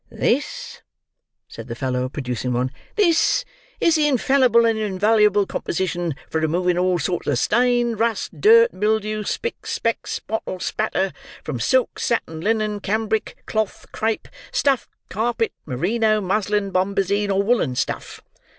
"This," said the fellow, producing one, "this is the infallible and invaluable composition for removing all sorts of stain, rust, dirt, mildew, spick, speck, spot, or spatter, from silk, satin, linen, cambric, cloth, crape, stuff, carpet, merino, muslin, bombazeen, or woollen stuff.